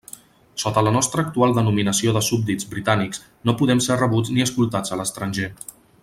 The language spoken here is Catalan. Sota la nostra actual denominació de súbdits britànics no podem ser rebuts ni escoltats a l'estranger.